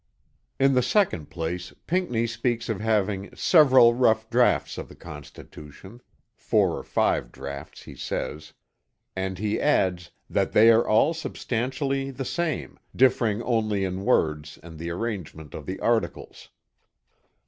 In the second place Pinckney speaks of having "several rough draughts of the Constitution" ("4 or 5 draughts" he says) and he adds "that they are all substantially the same, differing only in words and the arrangement of the articles."